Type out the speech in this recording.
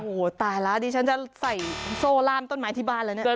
โอ้โหตายแล้วดิฉันจะใส่โซ่ล่ามต้นไม้ที่บ้านแล้วเนี่ย